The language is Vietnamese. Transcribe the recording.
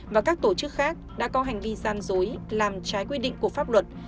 và các tổ chức khác đã có hành vi gian dối làm trái quy định của pháp luật